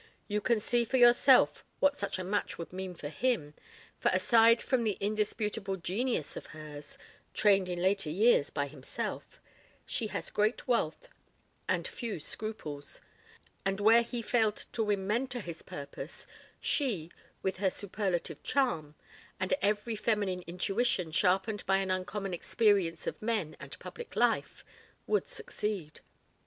You can see for yourself what such a match would mean for him, for aside from that indisputable genius of hers trained in later years by himself she has great wealth and few scruples; and where he failed to win men to his purpose, she, with her superlative charm, and every feminine intuition sharpened by an uncommon experience of men and public life, would succeed.